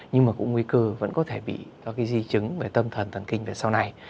nhưng mà cũng nguy cơ vẫn có thể bị các cái di chứng về tâm thần thần kinh về sau này